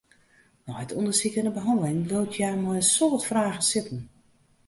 Nei it ûndersyk en de behanneling bliuwt hja mei in soad fragen sitten.